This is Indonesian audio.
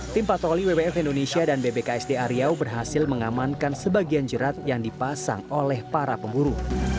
tim patroli wwf indonesia dan bbksda riau berhasil mengamankan sebagian jerat yang dipasang oleh para pemburu